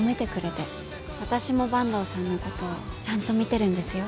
私も坂東さんのことちゃんと見てるんですよ。